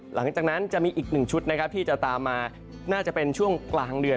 หลังจากนั้นจะมีอีกหนึ่งชุดนะครับที่จะตามมาน่าจะเป็นช่วงกลางเดือน